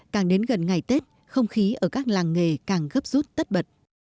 càng đến gần ngày tết không khí ở các làng nghề càng gấp rút tất bật